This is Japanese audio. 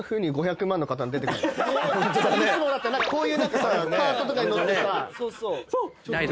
いつもだったら何かこういうカートとかに乗ってさ。